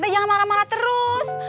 jangan marah marah terus